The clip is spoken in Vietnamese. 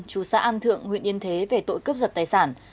chú xã an thượng huyện yên thế về tội cướp giật tài sản